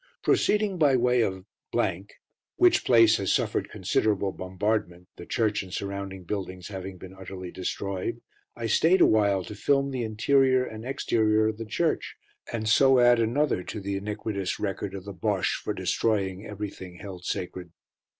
Proceeding by way of , which place has suffered considerable bombardment, the church and surrounding buildings having been utterly destroyed, I stayed awhile to film the interior and exterior of the church, and so add another to the iniquitous record of the Bosche for destroying everything held sacred.